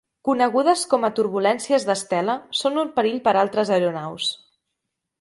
Conegudes com a turbulències d'estela, són un perill per a altres aeronaus.